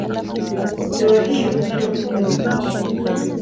Hewa hii huitwa pumzi.